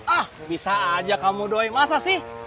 ah bisa aja kamu doai masa sih